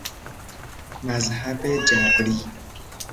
مذهب جبری